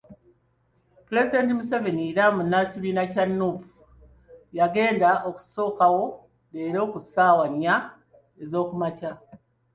Pulezidenti Museveni era munnakibiina kya Nuupu, y'agenda okusookawo leero ku ssaawa nnya ez'okumakya.